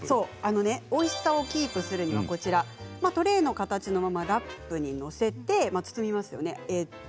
おいしさをキープするにはトレーの形のままラップに載せて包みますよね。